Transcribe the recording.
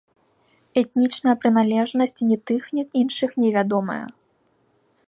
Этнічная прыналежнасць ні тых, ні іншых не вядомая.